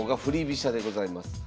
飛車でございます。